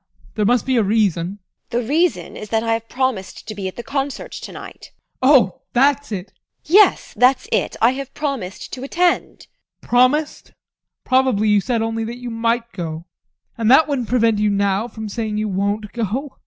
There must be a reason. TEKLA. The reason is that I have promised to be at the concert to night. ADOLPH. Oh, that's it! TEKLA. Yes, that's it. I have promised to attend ADOLPH. Promised? Probably you said only that you might go, and that wouldn't prevent you from saying now that you won't go.